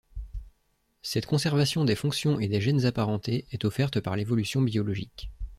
Cette conservation des fonctions et des gènes apparentés est offerte par l'évolution biologique.